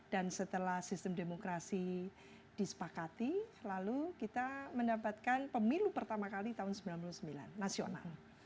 dan setelah sistem demokrasi disepakati lalu kita mendapatkan pemilu pertama kali tahun seribu sembilan ratus sembilan puluh sembilan nasional